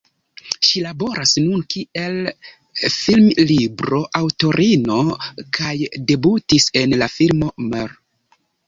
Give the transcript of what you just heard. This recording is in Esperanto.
Ŝi laboras nun kiel filmlibro-aŭtorino kaj debutis en la filmo "Mr.